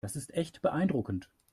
Das ist echt beeindruckend.